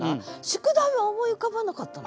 「宿題」は思い浮かばなかったの？